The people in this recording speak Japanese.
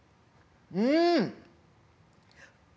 うん！